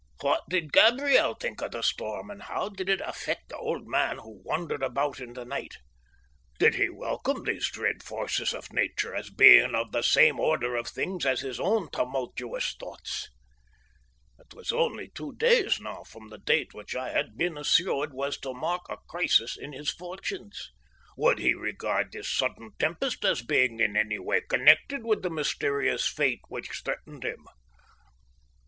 What did Gabriel think of the storm, and how did it affect the old man who wandered about in the night? Did he welcome these dread forces of Nature as being of the same order of things as his own tumultuous thoughts? It was only two days now from the date which I had been assured was to mark a crisis in his fortunes. Would he regard this sudden tempest as being in any way connected with the mysterious fate which threatened him?